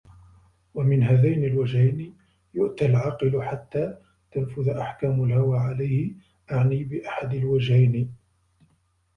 وَمِنْ هَذَيْنِ الْوَجْهَيْنِ يُؤْتَى الْعَاقِلُ حَتَّى تَنْفُذَ أَحْكَامُ الْهَوَى عَلَيْهِ أَعْنِي بِأَحَدِ الْوَجْهَيْنِ